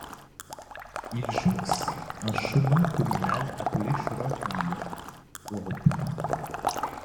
Il jouxte un chemin communal appelé chemin du Moulon au repos.